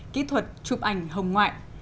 kỹ thuật chụp ảnh hồng ngoại